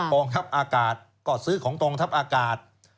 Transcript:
กองทัพอากาศก็ซื้อของกองทัพอากาศ